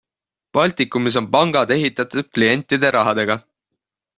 Baltikumis on pangad ehitatud klientide rahadega.